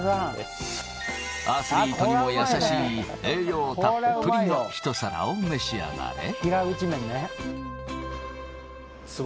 アスリートにもやさしい栄養たっぷりのひと皿を召し上がれ。